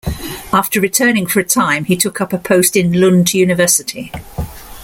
After returning for a time he took up a post in Lund University.